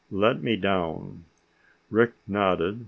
"Let me down." Rick nodded.